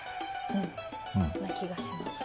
うん気がします。